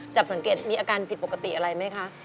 จับสังเกตมีอาการผิดปกติอะไรไหมคะ